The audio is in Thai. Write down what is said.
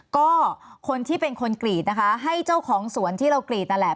ก็คนที่เป็นคนกรีดนะคะให้เจ้าของสวนที่เรากรีดนั่นแหละ